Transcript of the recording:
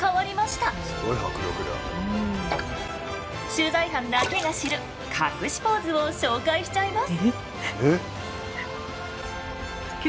取材班だけが知る隠しポーズを紹介しちゃいます！